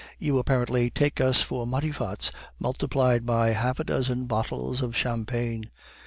"You apparently take us for Matifats multiplied by half a dozen bottles of champagne."